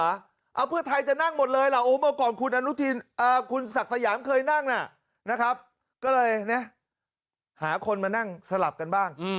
เอาเพื่อไทยจะนั่งหมดเลยเหรอโอ้มาก่อนคุณสักสยามเคยนั่งน่ะนะครับก็เลยเนี่ยหาคนมานั่งสลับกันบ้าง